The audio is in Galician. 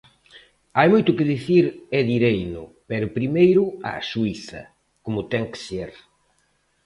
"Hai moito que dicir e direino, pero primeiro á xuíza, como ten que ser".